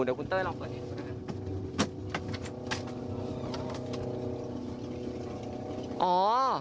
เดี๋ยวคุณเต้ยลองเปิดเองดูนะครับ